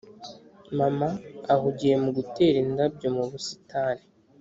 mama ahugiye mu gutera indabyo mu busitani.